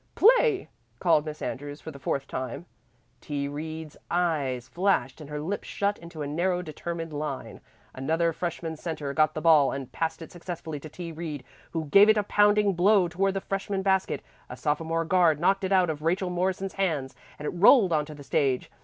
"Play!" called Miss Andrews for the fourth time. T. Reed's eyes flashed and her lips shut into a narrow determined line. Another freshman centre got the ball and passed it successfully to T. Reed, who gave it a pounding blow toward the freshman basket. A sophomore guard knocked it out of Rachel Morrison's hands, and it rolled on to the stage.